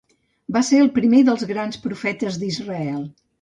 Va ser el primer dels grans profetes d'Israel.